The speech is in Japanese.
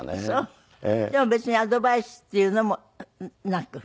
でも別にアドバイスっていうのもなく？